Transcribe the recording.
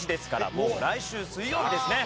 もう来週水曜日ですね。